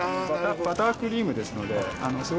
バタークリームですのですごく。